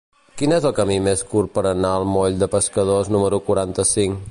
Quin és el camí més curt per anar al moll de Pescadors número quaranta-cinc?